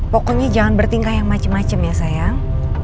pokoknya jangan bertingkah yang macem macem ya sayang